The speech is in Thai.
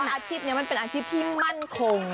อาชีพนี้มันเป็นอาชีพที่มั่นคง